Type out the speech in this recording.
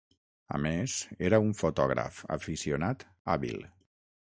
A més, era un fotògraf aficionat hàbil.